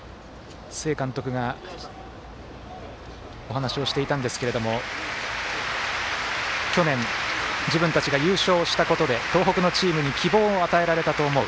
須江監督がお話をしていたんですけれども去年、自分たちが優勝したことで東北のチームに希望を与えられたと思う。